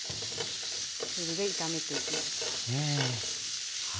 中火で炒めていきます。